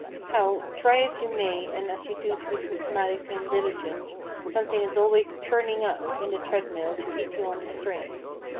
How, try as you may and as you do to be systematic and diligent, something is always "turning up" in the treadmill to keep you on the strain.